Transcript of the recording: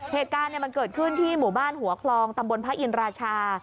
เหตุการณ์มันเกิดขึ้นที่หมู่บ้านหัวคลองตำบลพระอินราชา